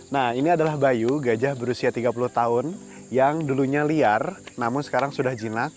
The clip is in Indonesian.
nah ini adalah bayu gajah berusia tiga puluh tahun yang dulunya liar namun sekarang sudah jinak